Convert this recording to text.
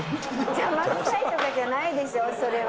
邪魔くさいとかじゃないでしょう、それは。